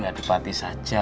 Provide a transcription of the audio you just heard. gak dipati saja